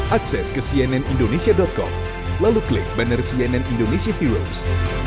akses ke cnnindonesia com lalu klik banner cnn indonesia heroes